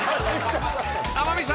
［天海さん